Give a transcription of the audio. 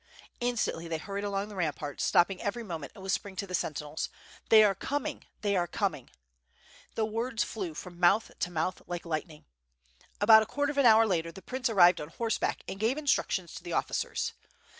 Instantly they hurried along the ramparts, stopping every moment and whispering^ to the sentinels: "They are coming! they are coming!" The words flew from mouth to mouth like lightning. About a quarter of an hour later the prince arrived on horseback and erave instructions to the officers.